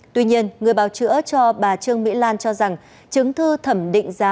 tuy nhiên người báo chữa cho bà trương mỹ lan cho rằng chứng thư thẩm định giá